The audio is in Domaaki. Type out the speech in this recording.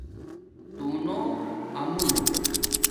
تُݹنوآمُون